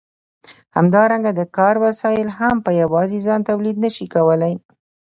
همدارنګه د کار وسایل هم په یوازې ځان تولید نشي کولای.